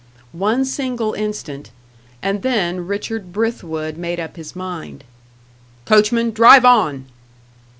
One single instant, and then Richard Brithwood made up his mind. "Coachman, drive on!"